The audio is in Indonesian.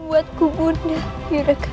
buat kubunnya yudhaka